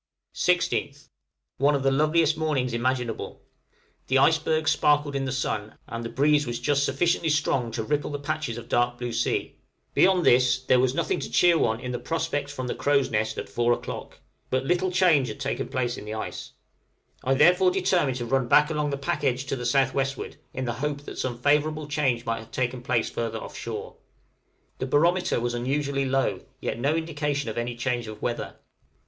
16th. One of the loveliest mornings imaginable: the icebergs sparkled in the sun, and the breeze was just sufficiently strong to ripple the patches of dark blue sea; beyond this, there was nothing to cheer one in the prospect from the crow's nest at four o'clock; but little change had taken place in the ice; I therefore determined to run back along the pack edge to the south westward, in the hope that some favorable change might have taken place further off shore. The barometer was unusually low, yet no indication of any change of weather.